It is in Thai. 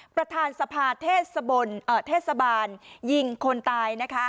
ประธานสะพาทเทศบรรย์เอ่อเทศบาลยิงคนตายนะคะ